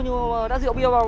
nhưng mà đã rượu bia vào